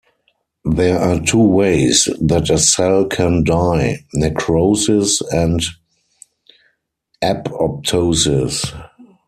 There are two ways that a cell can die: necrosis and apoptosis.